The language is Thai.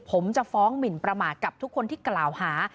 ผมจะฟ้องหมินประมาทกับทุกคนที่กล่าวหา